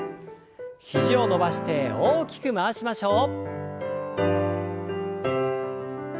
肘を伸ばして大きく回しましょう。